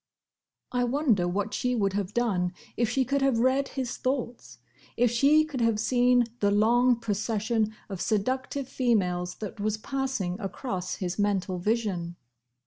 I wonder what she would have done if she could have read his thoughts, if she could have seen the long procession of seductive females that was passing across his mental vision.